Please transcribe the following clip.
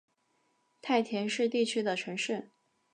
太田市地区的城市。